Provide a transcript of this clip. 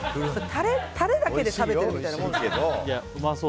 タレだけで食べてるみたいなもんですよ。